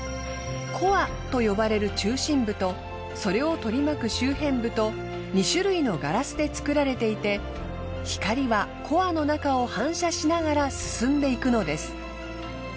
コアと呼ばれる中心部とそれを取り巻く周辺部と２種類のガラスで作られていて光はコアの中を反射しながら進んでいくのです。